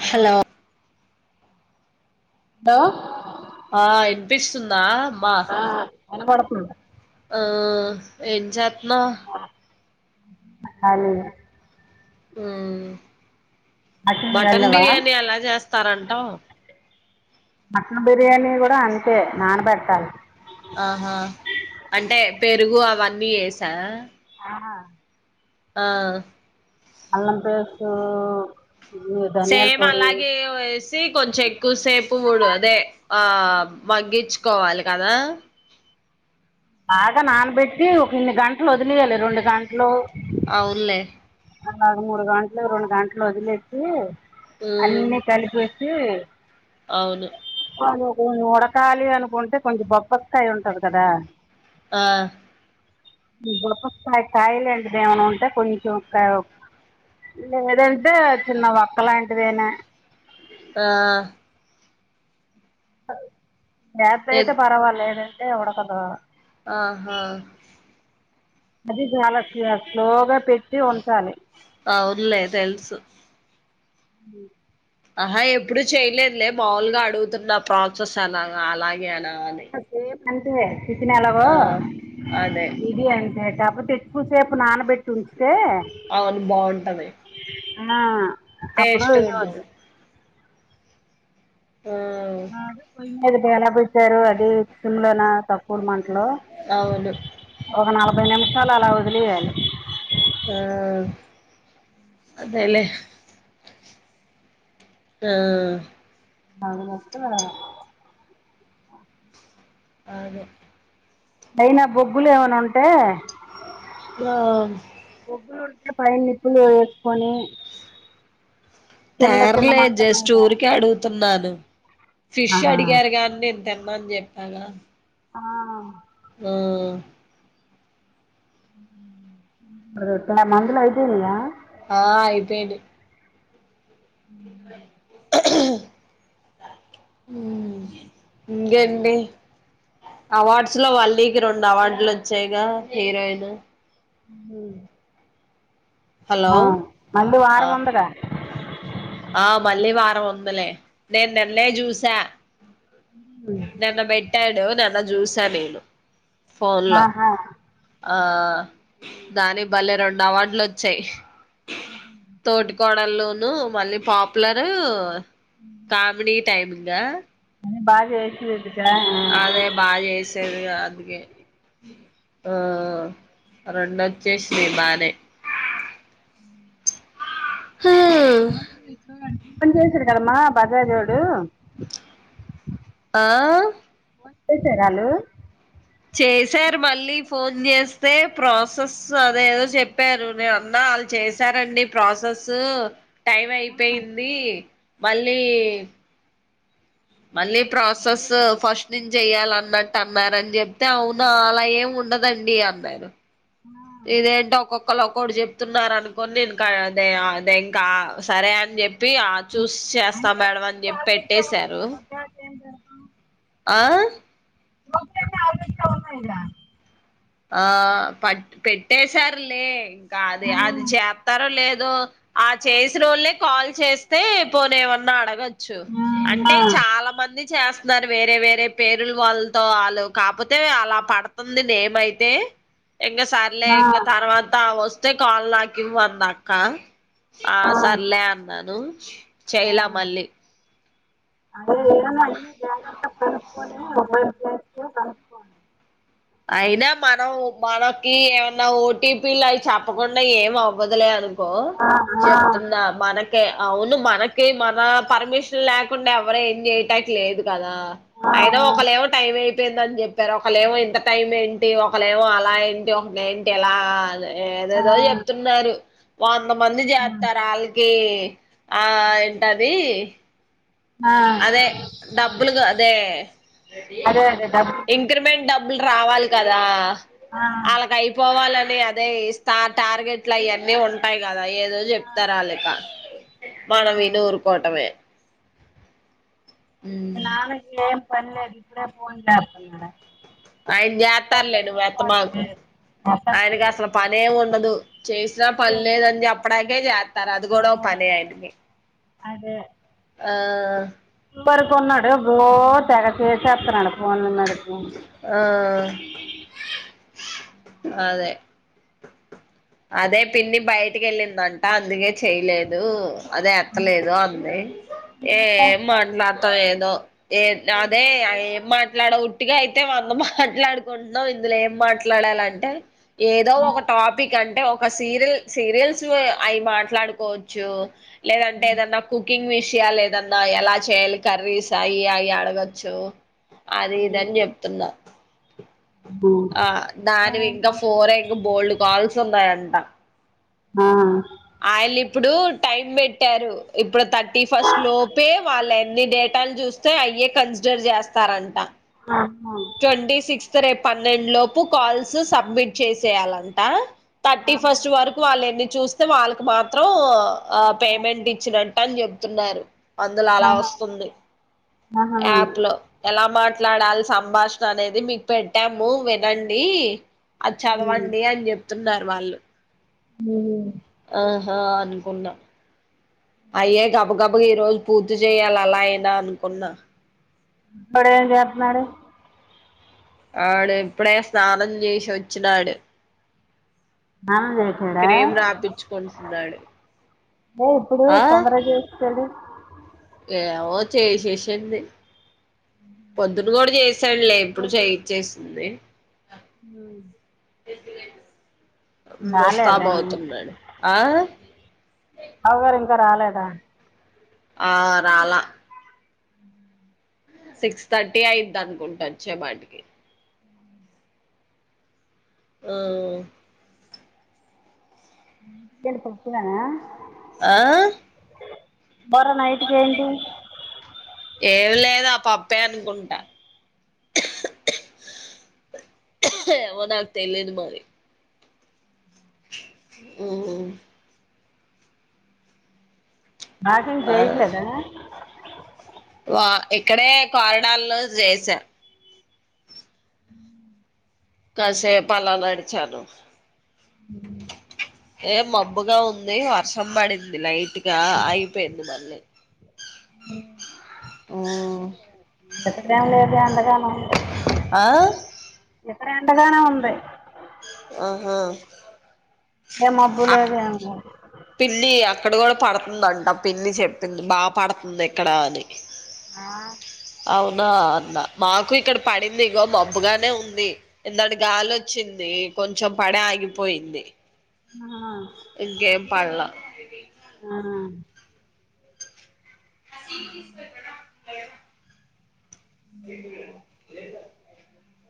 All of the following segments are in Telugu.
హలో హలో ఆ ఇనిపిస్తుందా మ్మా ఇనపడుతుంది ఆ ఎం చేతున్నావ్ కలినే మటన్ బిర్యానీ ఎలా చేస్తారంటా మటన్ బిర్యానీ కూడా అంతే నానబెట్టాలి ఆహా అంటే పెరుగు అవన్నీ వసా ఆ ఆ అలం పసు సేమ్ అలాగే వేసి కొంచెం ఎక్కువ సేపు మూడు అదే ఆ మగ్గించుకోవాలి కదా బాగా నానబెట్టి ఒక ఇన్ని గంటలు వదిలియాలి రెండు గంటలు అవునులే అలాగ మూడు గంటలు రెండు గంటలు వదిలేెసి మ్మ్ అన్ని కలిపి హ అవును కొంచం ఉడకాలి అనుకుంటే కొంచెం బొప్ప కాయి ఉంటారు కదా ఆ బుడపయ కాయలుంటి దేమన అంటే కొంచెం లేదంటే చిన్న వక్క లాంటిదేనా ఆ ఎత్ర ఎ అయితే పర్వాలేదంటే ఎడకద ఆహా అది చాలా స్ స్లోగా పెట్టి ఉంచాలి అవునులే తెలుసు ఉ ఆహా ఎప్పుడు చేయలేదులే మాములుగా అడుగుతున్న ప్రాసెస్ అలా అలాగే అలా సే అంత సితినలాగ ఆ అదే దది అంత కాప తెచ్చుకుసేపు నానబెట్టుు అవును బాగుంటాంది ఆ అప్పుడు ఇద అదు ఆ అ ప మీద ఎలా పోచ్చారు అదిమ్ లోనా తక్కువడు మంట అట్లో అవును ఒక నలభై నిమిషాలు అలా వదిలియాలి అదేలేే ఆ అప్పు అను అయినా బొగ్గులు ఏమైనా ఉంటా ఆ పయనిప్పులు కొని చిన్న చిన్న తేరలే జస్ట్ మాంటన్నాద ఊరికే అడుగుతున్నాను ఫిష్ అడిగారు కాని నేను తిన్నాని చెప్పాగా ఆ ఆ మందుల వయితేలయ ఆ అయిపోయినాయి హ ఇంకడి అవార్డ్స్ లో వళీకి రెండు అవార్డులు వచ్చాయిగా హీరోయిన్ ఉమ్ హలో ఆ మళ్ళీ ఆ వారం వందరా ఆ మళ్లీ వారం వందలే నేను నిన్న చూసా నన్న బెట్టాడు నన్న జ్యూసా మేను ఆహా ఆ దాని భలేె రెండు అవార్డులు వచ్చాయి తోటి కోడల్లోనుూ మళ్ళీ పాపులరు కామెడీ టైమింగా ఉమ్ బాగ వేసేది అదే బాగా చేసేదిగా అందుకే ఆ రెండు వచ్చేసినాయ్ బానె [unintelligible] చేసిరు కదమ్మా బజాజోడు ఆ [unintelligible] చేశారు మళ్ళీ ఫోన్ చేస్తే ప్రాసెస్ అదేదో చెప్పారు నేను ఉన్నా వాళ్ళు చేశారండి ప్రాసెస్ టైం అయిపోయింది మళ్ళీ మళ్ళీ ప్రాసెస్ ఫస్ట్ నించి చెయ్యాలి అన్నట్టు అన్నారు అని చెప్తే అవునా అలా ఏం ఉ డదండి అన్నారు ఇదేంటో ఒక్కొక్కళ్ళు ఒక్కోటి చెప్తున్నారు అనుకోని నేను కాదే ఆ అదే ఇంకా సరే అని చె ప్పి ఆ చూస్ చేస్తా మేడం అని చెప్పి పెట్టేసారు ఆ [inaudible] ఆ పట్ పెట్టేసారు లే ఇంకా అది అది చేప్తారో లేదో ఆ చేసినోళ్లే కాల్ చేస్తే పోనీ ఏమన్నా అడగ చ్చు అంటే చాలా మంది చేస్ దాని వేరే వేరే పేరులు వాళ్ళతో ఆళ్ళు కాపోతే అలా పడుతుంది నేమై తే ఎంగే సర్లే ఇంక తర్వాత ఆవొ తే కాల్ నాకివ్వ అంది అక్క ఆ సర్లే అన్నాను చేయలా మళ్ళీ ఏదైనా [inaudible] జాగ్రత్తగా కనుక్కొని అయినా మనం మనకి ఏమన్నా ఓ టీ పీ లు అవి చెప్పకుండా ఏం అవ్వదులే అని ఆ, ఆ, పోళచెప్తున్నా మన కే అవును మనకి మన పర్మిషన్ లేకుండా ఎవరూ ఎం చేయటాకి లేదు కదా ఆ, అయినా ఒకళ్ళేమో టైం అయిపోయిందని చెప్పారు ఒకళ్ళేమో ఇంత టైం ఏంటి ఒకలేేమో అలా ఏంటి [unintelligible] ఏంటి ఎలా అదే ఏదేదో చెప్తున్నారు వంద మంది జేత్తారు ఆళ్ళికి కి ఆ ఏంటది ఆ, ఆ. అదే డబ్బులుగా అదే అదే అదే డబ్బు ఇంక్రిమెంట్ డబ్ బ్బులు రావాలి కదా ఆళ్ళకి అయిపోవాలని అనీ అదే ఈ స్థా టార్గెట్లు అయీ అన్నీ ఉంటాయి కదా ఏదో చెప్తారు ఆళ్ళు ఇక మనం విని ఊరుకోటమే మా నాన్నకి ఏం పనిలేదు ఇప్పుడే ఫోన్ చెత్తనాడు ఆయన చేత్తాడ్లే నువ్వు ఎత్తమాకు ఆయనకి అసలు పనేమి ఉండదు చేసినా పనిలేదని చెప్పడాకే చేస్తారు అది కూడా ఒక పని [unintelligible] అదే ఆ పరి కొన్నాడు గో తెగ చేసేస్తున్నాడు ఫోన్లు మరి ఆ అ ఆ అదే అదే పిన్ని బయటికి ఎళ్ళిందంట అందుకే చెయలేదు అదే ఎత్తలేదు అంది ఏం మాట్లాడు మత్తం ఏమో ఏద్ ఏ అదే ఏం మాట్లాడఊది ఇటగ అయితే వంద మాట్లాడుకుంటున్నాం ఇందులో ఏం మాట్లాడాలంటే ఏదో ఒక టాపిక్ అంటే ఒక ఒక సీరియల్ సీరియల్స్ అవి మాట్లాడుకోవచ్చు లేదంటే ఏదన్నా కుకింగ్ విష ద ఏదన్న ఎలా చేయాలి కర్రీస్ అయీ అయి అడగచ్చు అది ఇదని చెప్తున్నా ఆ దానివి ఇంకా ఫోరే ఇంకా బోల్డ్ కాల్స్ ఉన్నాయంట. ఆ ఆళ్ళు ఇప్పుడు టైం పెట్టారు ఇప్పుడు థర్టీ ఫస్ట్ లోపే వాళ్ళ ఎన్ని డేట్ కాల్ చూస్తే అయే కన్సిడర్ చేస్తారంట. ట్వంటీ సిక్స్త్ రేపు పన్నెండు లోపు కాల్సు సబ్మిట్ చేసేయాలంట. థర్టీ ఫస్ట్ వరకు వాళ్ళ ఎన్ని చూస్తే వాళ్ళకి మాత్రం ఆ పేమెంట్ ఇచ్చినన్ అని చెప్తున్నారు అందుల అలా వస్తుంది ఆహా. యాప్ లో ఎలా మాట్ మాట్లాడాలి సంభాషణ అనేది మీకు పెట్టాము వినండి అది చదవండి అని చెప్తున్నారు వాళ్ళు ఉ ఆ హా అనుకున్నా అయ్యే గబ్ గబ్ ఈ రోజు పూర్తి చేయాలి అలా అయినా అనుకున్నా. వాడేం చెతున్నాడు వాడు ఇప్పుడే స్నానం చేసి వచ్చినాడు స్నానం చేశాడా క్రీమ్ రాయిచ్చుకుంటున్నాడు దే ఇప్పుడు తొందర చేస్తడే ఏమో చే చేేసింది పొద్దున్న కూడా చేసాడులే ఇప్పుడు చే చేయిసింది. ఉ గెజ్జి గడ్లు మస్తాబ్ రాలేదండి అవుతున్నాడు ఆ బావగారు ఇంకా రాలేదా ఆ రాలా సిక్స్ థర్టీ అయిద్ అనుకుంటా వచ్చే పాటికి ఆఉ ఇదేంది పప్పిననా ఆ బర నైట్కి ఏంటి ఏమి లేదు ఆ పప్పే అనుకుంటా ఏమో నాకు తెలియాదు మరి ఉ వాకింగ్ ఆ చేయట్లేదా వా ఇక్కడే కారిడార్ లో జేసా అ కాసేపు అలా నడిచాను ఉ యే మబ్బుగా ఉంది వర్షం పడింది లైట్గా అయిపోయింది మళ్ళీ. ఆ రెందు గాను ఆ డిఫరెంట్గానే ఉంది ఆహా ఏ మబ్బు అక్ లేదు ఏం లేదు పిల్లి అక్ అక్కడ కూడా పడుతుందంట పిన్ని చెప్పింది బాగా పడుతుంది ఇక్కడ అని. ఆ, అవునా అన్న మాకు ఇక్కడ పడింది ఇగో మబ్బుగానే ఉంది నిన్నటి గాలోచ్చింది. కొంచెం పడ ఆగిపోయింది ఆ, ఇంకేం పడ్లా ఆ. [inaudible] [inaudible]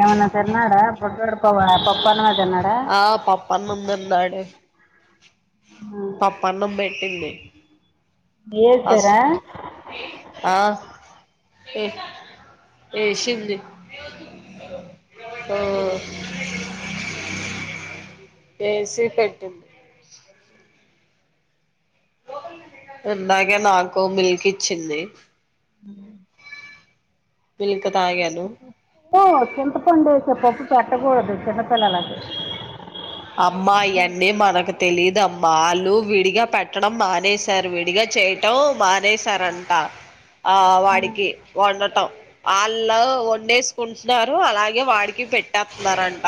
ఎమన్నా తిన్నాడా [unintelligible] కొవ పప్పాన్నమే తిన్నాడా ఆ పప్పన్నం పప్పనం పెట్టింది అస్ వేసారా ఆ ఏ ఏషింది ఓ ఏసి పెట్టింది ఇందాకె నాకు మిల్క్ ఇచ్చింది ఊ మిల్క్ తాగాను చింతపండు ఏసే పప్పు పెట్టకూడదు చిన్నపిల్లలకి అమ్మా ఎన్ని మనకు తెలీదమ్మా వాళ్ళు విడిగా పెట్టడం మానేసారు విడిగా చేయటం మానేసారంట ఆ వాడికి వండటం ఆల్ ళ్లు అలా వండేసుకుంటున్నారు అలాగే వాడికి పెట్టేతున్నారంట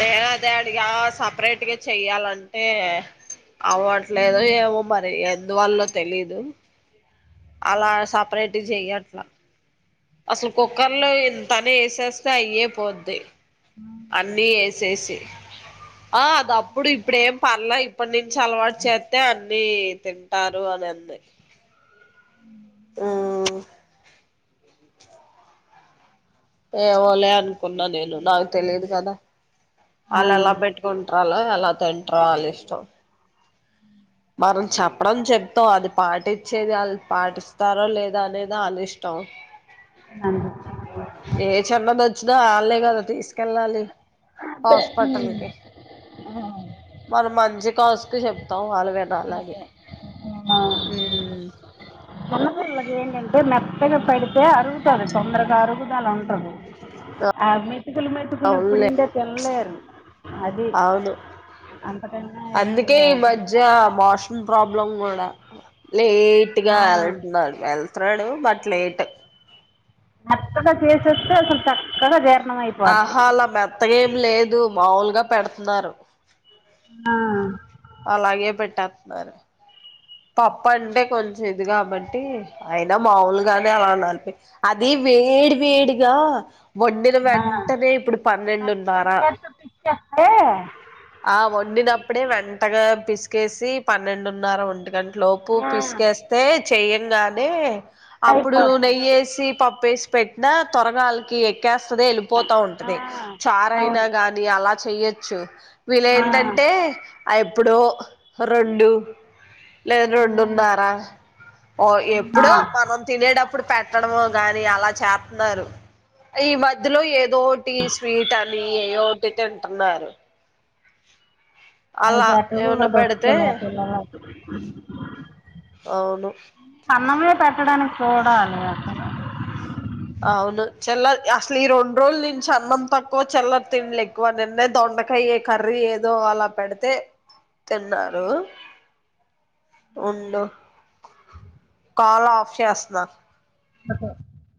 దేనాదేడిగా సపరేట్గా చెయ్యాలంటే అవట్లేదో ఏమో మరి ఎందువల్లో తెలీదు అలా సపరేటు చెయ్యట్లా అసలు కుక్కర్లో ఇంతనే వేసేస్తే అయ్యే పోద్ది అన్నీ ఏసేసి ఆ అది అప్పుడు ఇప్పుడేం పర్ల ఇప్పటి నుంచి అలవాటు చేతె అన్ని తింటారు అ నన్నే ఊ ఏవోలే అనుకున్నా నేను నాకు తెలిదు కదా ఆ, ఆళ్ళు అలా బెట్టుకుం ట్రల ఎలా తింట్రాలిష్టం మనం చెప్పడం చెప్తాం అది పాటించేది ఆళ్ పాటిస్తారో లేదా అనేది ఆళ్లిష్టం అవు అంది. ఏ చిన్నదొచ్చినా ఆళ్లే కదా తీసుకెళ్ళాలి హస్పటల్ కి మరి మన్ జిగాస్కి చెప్తాం వాళ్లువిన అలాగే ఆ. అది ఏంటంటే మెత్తగా పెడితే అరుగుతది తొందరగా అరుగుదల ఉండ్రదు ఆ మెతుకులు మెతుకులు ఇప్పుడు అవునులే ఇంకా తినలేరు అది అవును అంతకన్నా ఏం అందుకే ఈ కాదు మధ్య వాష్రూమ్ ప్రాబ్లమ్ కూడ్ లేట్ గా ఆ, ఎళ్తున్నాడు వెళ్తున్నాడు బట్ లేట్ టక్కున చేసేస్తే అసల్ టక్ ఆహా అలా మెత్తగా ఏమి లేదు మాములుగా పెడుతున్నారు ఆ అలాగే పెట్టతున్నారు పప్ప అంటే కొంచెం ఇది కాబట్టి అయినా మాములుగానే అలా నలిపి అది వేడి వేడిగా వండిన ఆ, వెంటనే ఇప్పుడు మెత్తగా పన్నెండున్నారా చేస్తే పిచ్చేస్తే ఆ వండినప్పుడే వెంటగా పిస్ పిసుకేసి పన్నెండున్నర ఒంటిగంట లోపు ఆ, పిసుకేస్తే చేయ్యంగానే అప్పుడు అయిపోద్ది నెయ్యేసి పప్పెసి పెట్టిన తొరగాలికి ఎ ఎక్కేస్తది వెళ్ళిపోతా ఆ, ఉంటది చారయినా అవును గాని అలా చెయొచ్చు ఆ, వీలేంటంటే అ ఎప్పుడో రొండు లేదు రెండుంనారా ఓ ఆ, ఎప్పుడో మనం తినేటప్పుడు పెట్టడము గాని అలా చేతున్నారు ఈ మధ్యలో ఏదోటి స్వీట్ అని ఏయోటి తింటున్నారు అయి అలా గట్టుడుడ్ ఏమన్నా దొరుకుతే పెడితే నా పిల్ల నాకి ఊ అవును అన్నమే పెట్టడానికి చూడాలి అక్కడ అవును చెల్లర్ అసలు ఈ రెండు రోజులు నించి అన్నం తక్కువ చిల్లర్ తిడ్ల్ ఎక్కువ నిన్న దొ బెండకయ కర్రీ ఏదో అలా పెడితే తిన్నారు ఉండు కాల్ ఆఫ్ చేస్తున్నా [unintelligible]